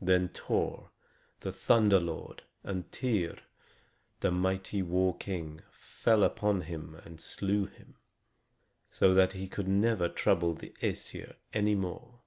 Then Thor, the thunder lord, and Tŷr, the mighty war king, fell upon him and slew him, so that he could never trouble the Æsir any more.